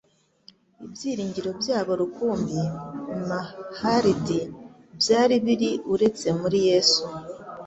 ibyiringiro byabo rukumbi ma haridi byari biri uretse muri Yesu,